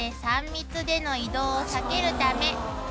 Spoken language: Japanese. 「三密での移動を避けるため」